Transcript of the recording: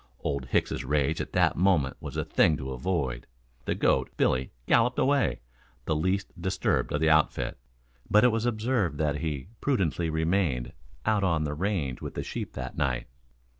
Old Hicks' rage at that moment was a thing to avoid. The goat, Billy, galloped away, the least disturbed of the outfit, but it was observed that he prudently remained out on the range with the sheep that night.